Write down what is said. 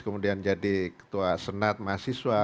kemudian jadi ketua senat mahasiswa